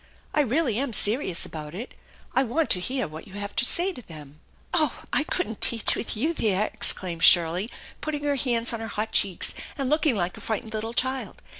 I really am serious about it. I want to hear what you have to say to them." " Oh, I couldn't teach with you there I " exclaimed Shirley, putting her hands on her hot cheeks and looking like a fright ened little child.